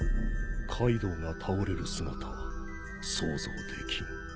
カイドウが倒れる姿は想像できん。